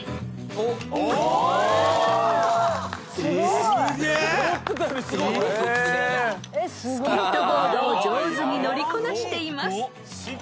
［スケートボードを上手に乗りこなしています］